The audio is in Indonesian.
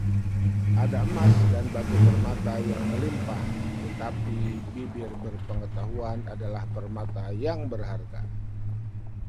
Ada emas dan batu permata yang melimpah, tetapi bibir berpengetahuan adalah permata yang berharga.